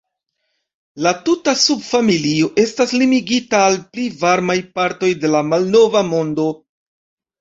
La tuta subfamilio estas limigita al pli varmaj partoj de la Malnova Mondo.